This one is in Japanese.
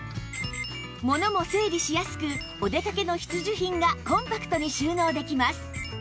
物も整理しやすくお出かけの必需品がコンパクトに収納できます